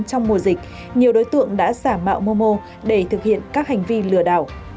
trong mùa dịch nhiều đối tượng đã giả mạo momo để thực hiện các hành vi lừa đảo